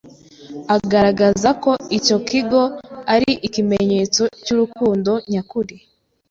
agaragaza ko icyo kigo ari ikimenyetso cy’urukundo nyakuri